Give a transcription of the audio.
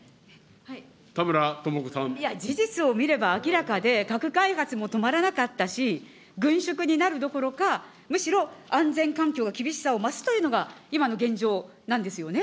いや、事実を見れば明らかで、核開発も止まらなかったし、軍縮になるどころか、むしろ、安全環境が厳しさを増すというのが、今の現状なんですよね。